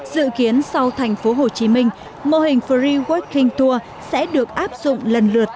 dự kiến sau tp hcm mô hình free walking tour sẽ được áp dụng lần lượt